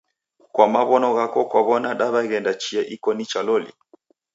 Kwa maw'ono ghako kwaw'ona daw'eghenda chia iko nicha loli?